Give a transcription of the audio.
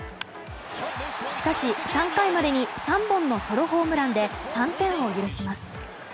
しかし、３回までに３本のソロホームランで３点を許します。